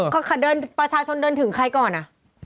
พอประชาชนเดินถึงใครก่อนอ่ะ